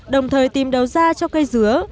đồng thời tìm đầu ra cho cây dứa